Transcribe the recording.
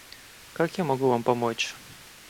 Как я могу вам почочь?